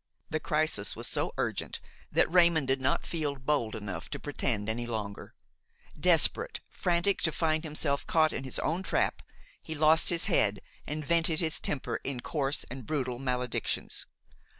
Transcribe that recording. " The crisis was so urgent that Raymon did not feel bold enough to pretend any longer. Desperate, frantic to find himself caught in his own trap, he lost his head and vented his temper in coarse and brutal maledictions.